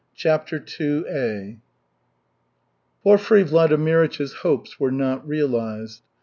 CHAPTER II Porfiry Vladimirych's hopes were not realized.